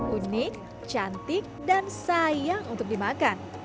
unik cantik dan sayang untuk dimakan